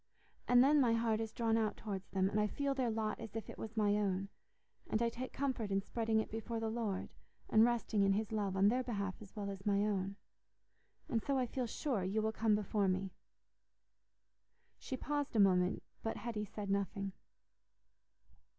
And then my heart is drawn out towards them, and I feel their lot as if it was my own, and I take comfort in spreading it before the Lord and resting in His love, on their behalf as well as my own. And so I feel sure you will come before me." She paused a moment, but Hetty said nothing.